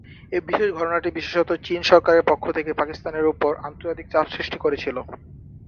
এই বিশেষ ঘটনাটি বিশেষত চীন সরকারের পক্ষ থেকে পাকিস্তানের উপর আন্তর্জাতিক চাপ সৃষ্টি করেছিল।